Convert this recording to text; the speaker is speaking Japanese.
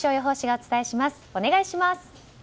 お願いします。